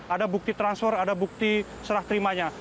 ada bukti transfer ada bukti serah terimanya